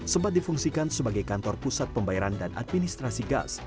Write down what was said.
sempat difungsikan sebagai kantor pusat pembayaran dan administrasi gas